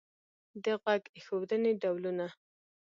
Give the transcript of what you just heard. د غوږ ایښودنې ډولونه